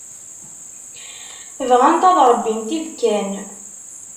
Bɣant ad ṛebbint ibekkan.